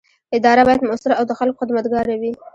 اداره باید مؤثره او د خلکو خدمتګاره وي.